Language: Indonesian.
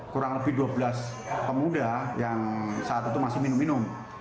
kurang lebih dua belas pemuda yang saat itu masih minum minum